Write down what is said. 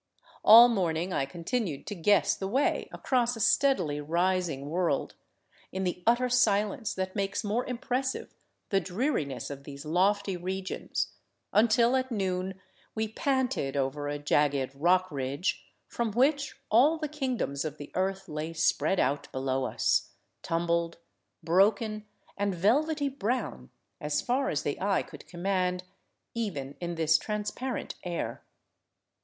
All morning I continued to guess the way across a steadily rising world, in the utter silence that makes more impressive the dreariness of these lofty regions, until at noon we panted over a jagged rock ridge from which all the kingdoms of the earth lay spread out below us, tumbled, broken, and velvety brown as far as the eye could command even in this transparent air.